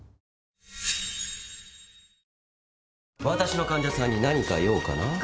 「私の患者さんに何か用かな？」